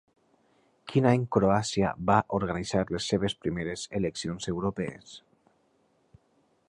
Quin any Croàcia va organitzar les seves primeres eleccions europees?